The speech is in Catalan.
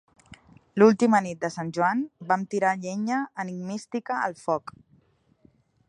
L'última nit de sant Joan vam tirar llenya enigmística al foc.